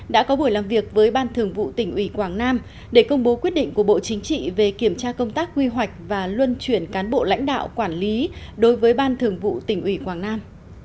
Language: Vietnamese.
đã có buổi làm việc với ban thường vụ tỉnh ủy quảng nam để công bố quyết định của bộ chính trị về kiểm tra công tác quy hoạch và luân chuyển cán bộ lãnh đạo quản lý đối với ban thường vụ tỉnh ủy quảng nam